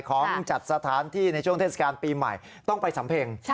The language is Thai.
ของจัดสถานที่ในช่วงเทศกาลปีใหม่ต้องไปสำเพ็ง